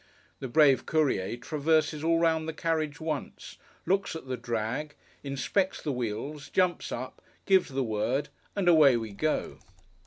The brave Courier traverses all round the carriage once, looks at the drag, inspects the wheels, jumps up, gives the word, and away we go!